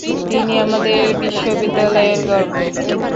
তিনি আমাদের বিশ্ববিদ্যালয়ের গর্ব।